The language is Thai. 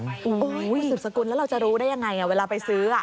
โอ้โหสุดสกุลแล้วเราจะรู้ได้ยังไงเวลาไปซื้อ